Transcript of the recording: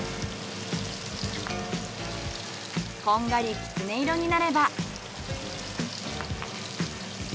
こんがりきつね色になれば。